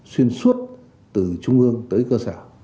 xuyên suốt từ trung ương tới cơ sở